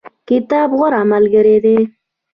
کتاب غوره ملګری دی